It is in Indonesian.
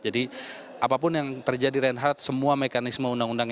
jadi apapun yang terjadi reinhardt semua mekanisme undang undang